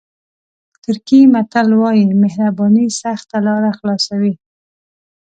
ترکي متل وایي مهرباني سخته لاره خلاصوي.